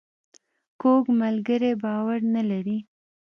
کوږ ملګری باور نه لري